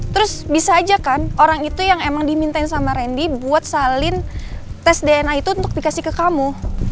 terus bisa aja kan orang itu yang emang dimintain sama randy buat salin tes dna itu untuk dikasih ke kamu